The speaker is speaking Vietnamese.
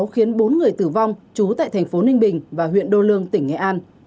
khiến bốn người tử vong trú tại thành phố ninh bình và huyện đô lương tỉnh nghệ an